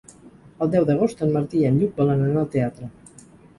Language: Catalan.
El deu d'agost en Martí i en Lluc volen anar al teatre.